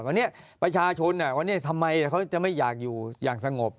วันนี้ประชาชนวันนี้ทำไมเขาจะไม่อยากอยู่อย่างสงบ